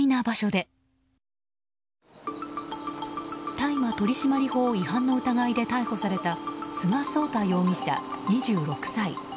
大麻取締法違反の疑いで逮捕された菅奏太容疑者、２６歳。